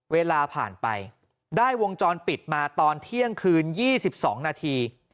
เวลาผ่านไปได้วงจรปิดมาตอนเที่ยงคืน๒๒นาที